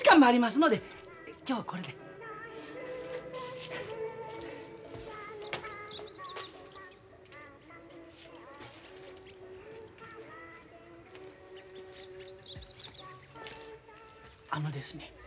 あのですね。